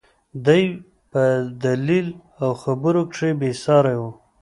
دى په دليل او خبرو کښې بې سارى و.